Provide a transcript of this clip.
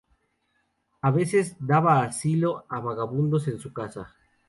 A veces daba asilo a vagabundos en su casa.